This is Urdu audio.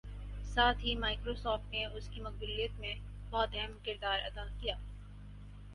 ساتھ ہی مائیکروسوفٹ نے اس کی مقبولیت میں بہت اہم کردار ادا کیا